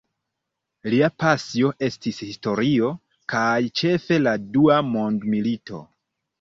Lia pasio estas historio, kaj ĉefe la Dua mondmilito.